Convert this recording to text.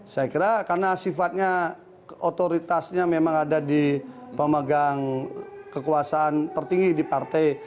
saya kira karena sifatnya otoritasnya memang ada di pemegang kekuasaan tertinggi di partai